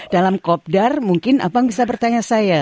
dalam kopdar mungkin abang bisa bertanya saya